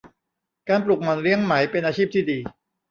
การปลูกหม่อนเลี้ยงไหม เป็นอาชีพที่ดี